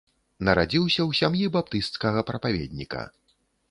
Нарадзіўся ў сям'і баптысцкага прапаведніка.